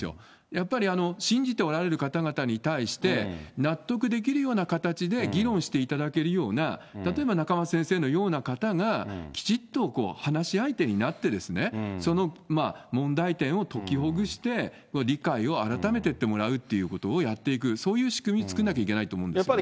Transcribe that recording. やっぱり信じておられる方々に対して、納得できるような形で議論していただけるような、例えば仲正先生のような方が、きちっと話相手になって、その問題点を解きほぐして、理解を改めていってもらうっていうことをやっていく、そういう仕組み作らないといけないと思うんですよね。